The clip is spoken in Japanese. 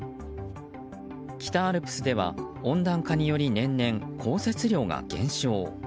北アルプスでは温暖化により年々、降雪量が減少。